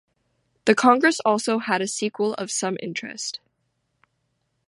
The congress also had a sequel of some interest.